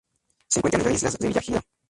Se encuentran en las islas Revillagigedo.